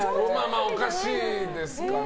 おかしいですよね。